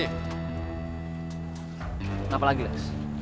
kenapa lagi lex